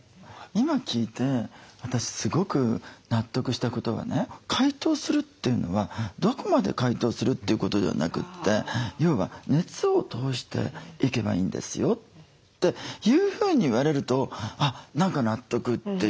今聞いて私すごく納得したことはね解凍するというのはどこまで解凍するということではなくて要は「熱を通していけばいいんですよ」というふうに言われるとあっ何か納得っていう。